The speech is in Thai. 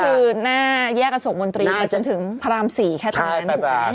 คือหน้าแยกอโศกมนตรีไปจนถึงพระราม๔แค่ตรงนั้นถูกไหม